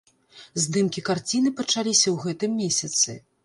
Здымкі карціны пачаліся ў гэтым месяцы.